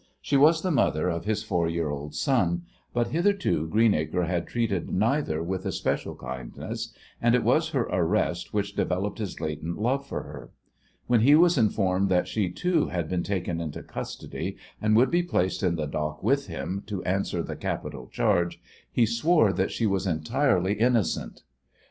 She was the mother of his four year old son, but, hitherto, Greenacre had treated neither with especial kindness, and it was her arrest which developed his latent love for her. When he was informed that she, too, had been taken into custody and would be placed in the dock with him to answer the capital charge, he swore that she was entirely innocent.